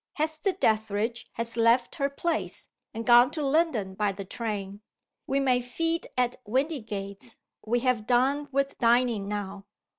Hester Dethridge has left her place, and gone to London by the train. We may feed at Windygates we have done with dining now.